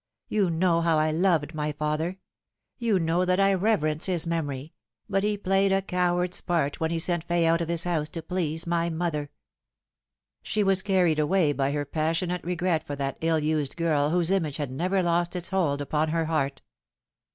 You know how I loved my lather ; you know that I reverence his memory ; but he played a coward's part when he sent Fay out of his house to please my mother." She was carried away by her passionate regret for that ill used girl whose image had never lost its hold upon her heart.